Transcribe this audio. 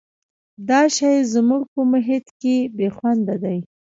دا شی زموږ په محیط کې بې خونده دی.